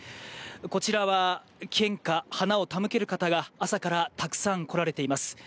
こちらは献花、花を手向ける方が朝からたくさん来られています。